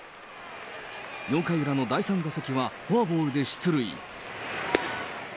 ４回裏の第３打席はフォアボールで出塁。